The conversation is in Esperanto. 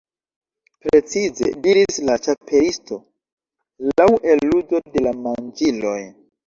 "Precize," diris la Ĉapelisto, "laŭ eluzo de la manĝiloj."